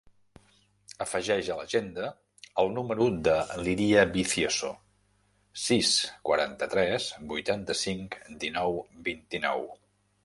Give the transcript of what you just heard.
Afegeix a l'agenda el número de l'Iria Vicioso: sis, quaranta-tres, vuitanta-cinc, dinou, vint-i-nou.